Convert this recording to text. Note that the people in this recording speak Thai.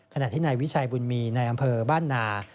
ขณะที่นายวิชัยบุญมีในอำเภอบ้านนา